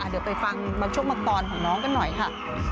เดี๋ยวไปฟังบางช่วงบางตอนของน้องกันหน่อยค่ะ